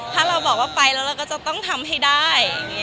ถ้าเราบอกว่าไปแล้วเราก็จะต้องทำให้ได้